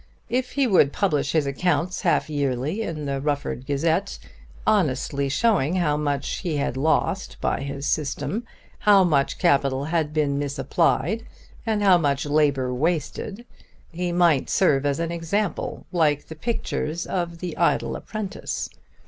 If he would publish his accounts half yearly in the Rufford Gazette, honestly showing how much he had lost by his system, how much capital had been misapplied, and how much labour wasted, he might serve as an example, like the pictures of 'The Idle Apprentice.'